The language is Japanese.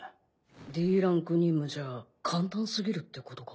Ｄランク任務じゃ簡単すぎるってことか？